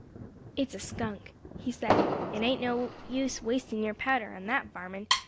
"It's a skunk," he said; "it ain't no use wasting your powder on that varmin.